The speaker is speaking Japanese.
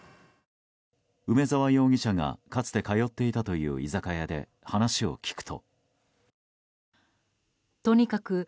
梅沢容疑者がかつて通っていたという居酒屋で話を聞くと。